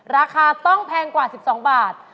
ราคาต้องแพงกว่า๑๒บาท